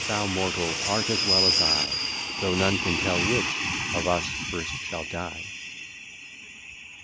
thou mortal art as well as I; Though none can tell which of us first shall die.